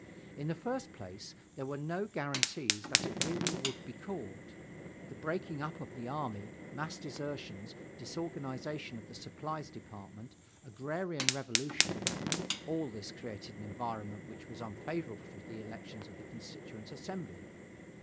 In the first place, there were no guarantees that it really would be called. The breaking up of the army, mass desertions, disorganization of the supplies department, agrarian revolution all this created an environment which was unfavorable to the elections for the Constituent Assembly.